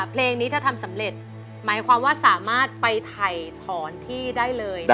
เพลงนี้ถ้าทำสำเร็จหมายความว่าสามารถไปถ่ายถอนที่ได้เลย